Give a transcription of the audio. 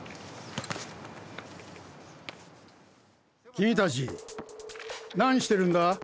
きみたち何してるんだ？